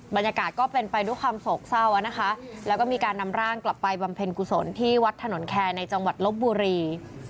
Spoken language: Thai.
บรรยากาศก็เป็นไปด้วยความโศกเศร้านะคะแล้วก็มีการนำร่างกลับไปบำเพ็ญกุศลที่วัดถนนแคร์ในจังหวัดลบบุรี